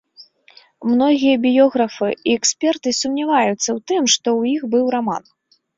Многія біёграфы і эксперты сумняваюцца ў тым, што ў іх быў раман.